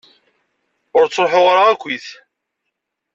Ur truḥuɣ ara akkit.